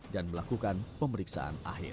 dan melakukan pemeriksaan akhir